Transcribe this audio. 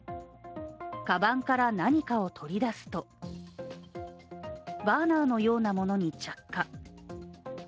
かばんから何かを取り出すとバーナーのようなものに着火。